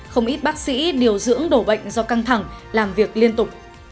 không ít bác sĩ điều dưỡng đổ bệnh do căng thẳng làm việc liên tục